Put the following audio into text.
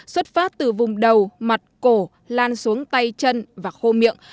xuất phát từ vùng đầu mặt cổ lan xuống tay chân và khô miệng